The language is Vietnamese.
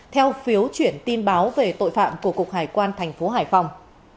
theo phiếu chuyển tin báo về tội phạm của cục hải quan tp hải phòng